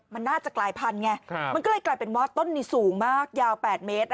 มันน่าจะกลายพันธุไงมันก็เลยกลายเป็นว่าต้นนี้สูงมากยาว๘เมตร